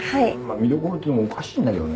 見どころっていうのもおかしいんだけどね。